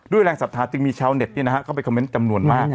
ด้วยแรงศัพทาจึงมีชาวเหน็ตนี่นะครับก็เป็นคอมเม้นต์จำนวนมาก